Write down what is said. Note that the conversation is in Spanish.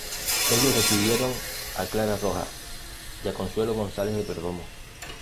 Ellos recibieron a Clara Rojas y a Consuelo González de Perdomo.